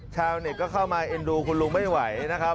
ชาวเน็ตก็เข้ามาเอ็นดูคุณลุงไม่ไหวนะครับ